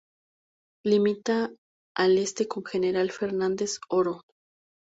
Limita al este con General Fernández Oro.